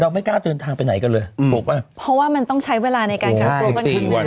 เราไม่กล้าเดินทางไปไหนก็เลยอืมเพราะว่ามันต้องใช้เวลาในการการขึ้นโอ้โหสิบสี่วันครับ